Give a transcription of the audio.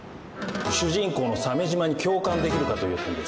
主人公の鮫島に共感できるかという点です